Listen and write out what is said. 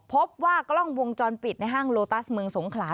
พบว่ากล้องวงจรปิดในห้างโลตัสเมืองสงขลา